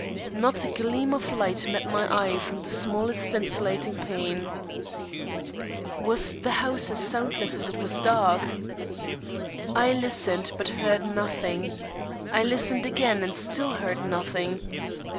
Not a gleam of light met my eye from the smallest scintillating pane. Was the house as soundless as it was dark? I listened but heard nothing. I listened again and still heard nothing.